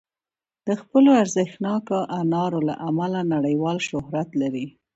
د خپلو ارزښتناکو اثارو له امله نړیوال شهرت لري.